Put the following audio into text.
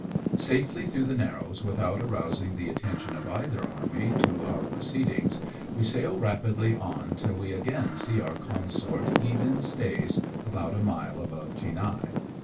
Safely through the narrows without arousing the attention of either army to our proceedings, we sail rapidly on till we again see our consort heave in stays, about a mile above Chinhae.